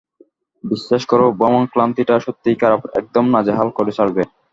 বিশ্বাস করো, ভ্রমণ ক্লান্তিটা সত্যিই খারাপ, একদম নাজেহাল করে ছাড়বে।